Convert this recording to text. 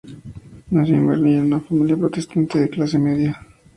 Nació en Berlín en una familia protestante de clase media.